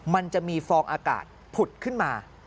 มันจะมีฟองอากาศผุดขึ้นมา